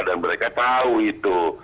dan mereka tahu itu